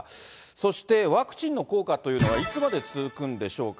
そしてワクチンの効果というのはいつまで続くんでしょうか。